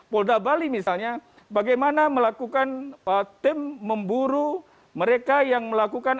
polda bali misalnya bagaimana melakukan tim memburu mereka yang melakukan